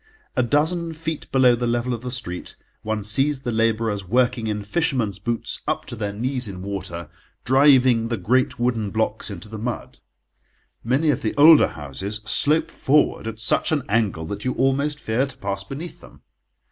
A dozen feet below the level of the street one sees the labourers working in fishermen's boots up to their knees in water, driving the great wooden blocks into the mud. Many of the older houses slope forward at such an angle that you almost fear to pass beneath them.